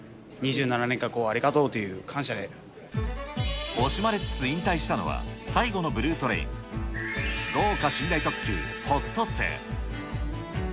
２７年間ありがとうという感惜しまれつつ引退したのは、最後のブルートレイン、豪華寝台特急北斗星。